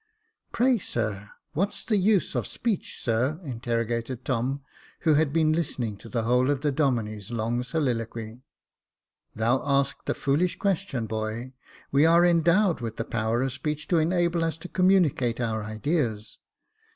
"Pray, sir, what's the use of speech, sir ?" interrogated Tom, who had been listening to the whole of the Domine's long sohloquy. " Thou asked a foolish question, boy. We are en dowed with the power of speech to enable us to com municate our ideas."